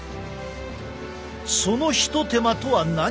その一手間とは何か？